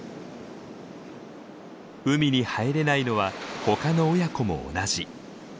海に入れないのは他の親子も同じ。